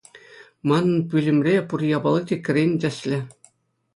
Манӑн пӳлӗмре пур япали те кӗрен тӗслӗ.